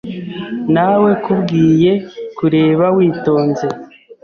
Nawekubwiye kureba witonze.